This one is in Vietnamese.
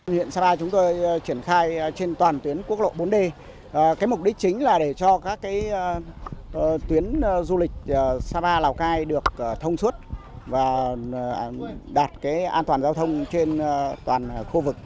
huyện sapa chúng tôi triển khai trên toàn tuyến quốc lộ bốn d cái mục đích chính là để cho các tuyến du lịch sapa lào cai được thông suốt và đạt an toàn giao thông trên toàn khu vực